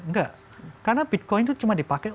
enggak karena bitcoin itu cuma dipakai